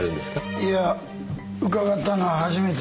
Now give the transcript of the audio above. いや伺ったのは初めてです。